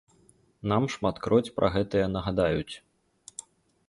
Нам шматкроць пра гэтае нагадаюць.